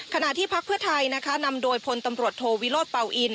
พักเพื่อไทยนะคะนำโดยพลตำรวจโทวิโรธเป่าอิน